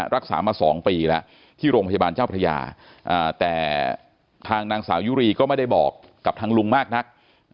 รักษามา๒ปีแล้วที่โรงพยาบาลเจ้าพระยาแต่ทางนางสาวยุรีก็ไม่ได้บอกกับทางลุงมากนัก